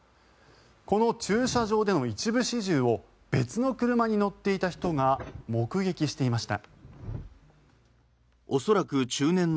この駐車場での一部始終を別の車に乗っていた人が目撃していました。